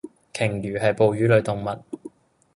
鯨魚係哺乳類動物